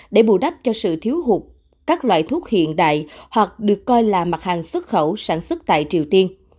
để bù đắp cho sự thiếu hụt các loại thuốc hiện đại hoặc được coi là mặt hàng xuất khẩu sản xuất tại triều tiên